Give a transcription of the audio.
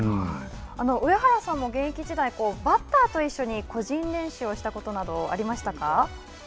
上原さんも現役時代、バッターと一緒に個人練習をしたことなどありましたか。